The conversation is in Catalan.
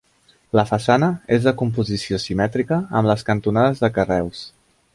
La façana és de composició simètrica amb les cantonades de carreus.